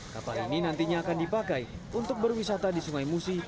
kapal ini nantinya akan dipakai untuk berwisata di sungai musi